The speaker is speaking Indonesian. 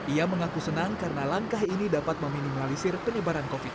ia mengaku senang karena langkah ini dapat meminimalisir penyebaran covid sembilan belas